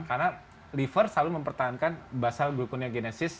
karena liver selalu mempertahankan basal gluconeogenesis